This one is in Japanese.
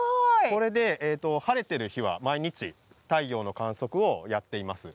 これで晴れてる日は毎日太陽の観測をやっています。